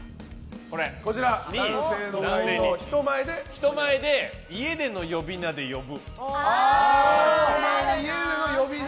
人前で家での呼び名で呼ぶ。